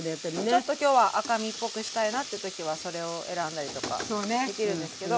ちょっと今日は赤身っぽくしたいなっていう時はそれを選んだりとかできるんですけど。